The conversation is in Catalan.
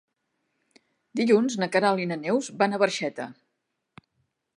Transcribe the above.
Dilluns na Queralt i na Neus van a Barxeta.